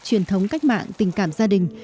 truyền thống cách mạng tình cảm gia đình